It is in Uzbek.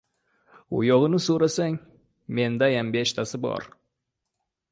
U yog‘ini so‘rasang, mendayam beshtasi bor.